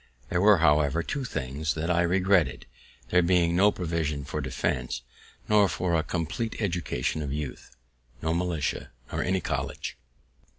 There were, however, two, things that I regretted, there being no provision for defense, nor for a compleat education of youth; no militia, nor any college.